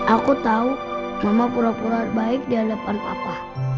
aku tahu mama pura pura baik di hadapan papa